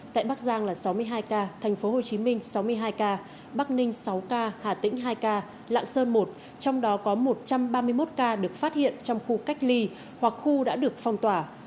tại bắc giang là sáu mươi hai ca tp hcm sáu mươi hai ca bắc ninh sáu ca hà tĩnh hai ca lạng sơn một trong đó có một trăm ba mươi một ca được phát hiện trong khu cách ly hoặc khu đã được phong tỏa